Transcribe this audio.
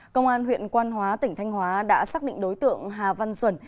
công an huyện quan hóa tỉnh thanh hóa đã xác định đối tượng hà văn duẩn